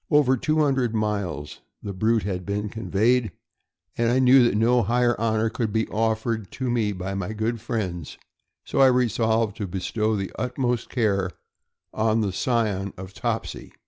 Over two hundred miles the brute had been conveyed, and I knew that no higher honor could be offered me by my good friends; so I resolved to bestow the utmost care on the scion of Topsey.